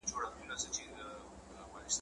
زړه به دي سوړ سي قحطی وهلی `